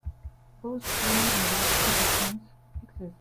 Both green and black editions exist.